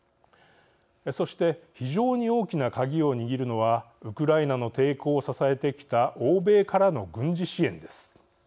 そして非常に大きな鍵を握るのはウクライナの抵抗を支えてきた欧米からの軍事支援です。